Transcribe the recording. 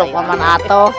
kalau paman ato